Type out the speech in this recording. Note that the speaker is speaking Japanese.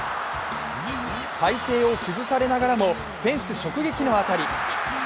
体勢を崩されながらもフェンス直撃の当たり。